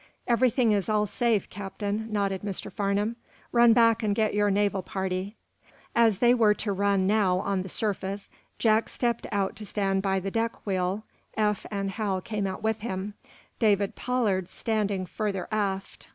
"Everything is all safe, Captain," nodded Mr. Farnum. "Run back and get your naval party." As they were to run, now, on the surface, Jack stepped out to stand by the deck wheel Eph and Hal came out with him, David Pollard standing further aft.